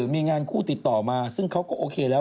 มีงานคู่ติดต่อมาซึ่งเขาก็โอเคแล้ว